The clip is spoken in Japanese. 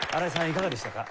いかがでしたか？